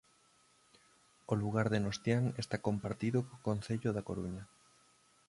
O lugar de Nostián está compartido co concello da Coruña.